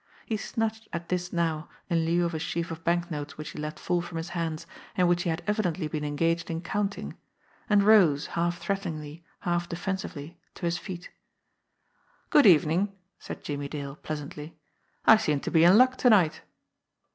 He snatched at this now in lieu of a sheaf of banknotes which he let fall from his hands, and which he had evidently been engaged in counting and rose, half threateningly, half defensively, to his feet. "Good evening!" said Jimmie Dale pleasantly. "I seem to be in luck to night."